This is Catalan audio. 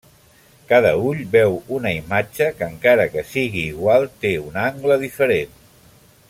Cada ull veu una imatge, que encara que sigui igual, té un angle diferent.